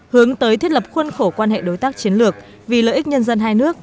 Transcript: hướng tới thiết lập khuôn khổ quan hệ đối tác chiến lược vì lợi ích nhân dân hai nước